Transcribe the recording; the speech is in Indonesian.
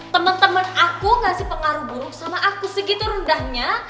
temen temen aku ngasih pengaruh buruk sama aku segitu rendahnya